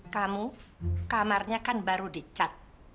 kamu kamarnya kan baru dicat